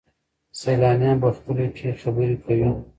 سیلانیان په خپلو کې خبرې کوي.